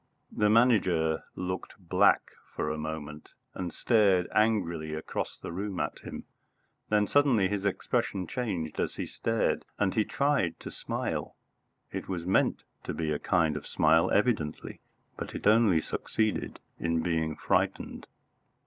The Manager looked black for a moment, and stared angrily across the room at him. Then suddenly his expression changed as he stared, and he tried to smile. It was meant to be a kind smile evidently, but it only succeeded in being frightened.